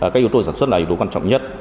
cách yếu tố sản xuất là yếu tố quan trọng nhất